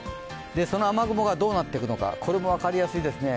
その雨雲がどうなっていくのか、これも分かりやすいですね。